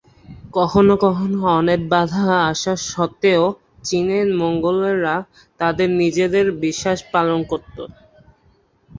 কখনও কখনও অনেক বাধা আসা সত্ত্বেও চীনে মঙ্গোলরা তাদের নিজেদের বিশ্বাস পালন করত।